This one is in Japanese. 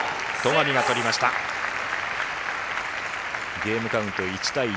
ゲームカウント、１対１。